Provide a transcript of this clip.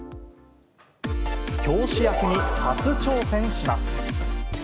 教師役に初挑戦します。